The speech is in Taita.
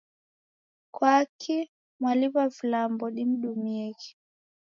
Kwakii mwaliw'a vilambo nimdumieghe?